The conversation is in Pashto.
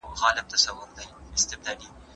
هغه څېړنه چي کره کتونکی نظر نه لري نیمګړي ده.